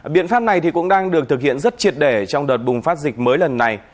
biện pháp này cũng đang được thực hiện rất triệt để trong đợt bùng phát dịch mới lần này